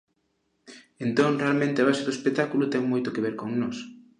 Entón, realmente a base do espectáculo ten moito que ver con nós.